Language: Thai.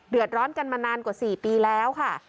เดือดร้อนกันมานานกว่า๔ปีแล้วค่ะ